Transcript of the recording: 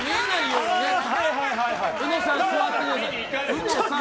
うのさん、座ってください！